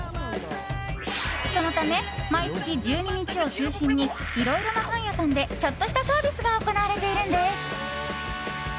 そのため毎月１２日を中心にいろいろなパン屋さんでちょっとしたサービスが行われているんです。